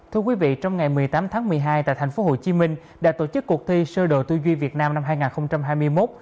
thưa quý vị trong ngày một mươi tám tháng một mươi hai tại thành phố hồ chí minh đã tổ chức cuộc thi sơ đồ tuy duy việt nam năm hai nghìn hai mươi một